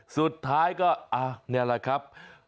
สุดท้ายก็นี่แหละครับ